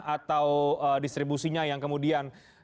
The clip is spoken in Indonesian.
atau distribusinya yang kemudian